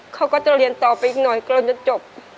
เขาก็จะเรียนต่อไปอีกหน่อยกำลังจะจบ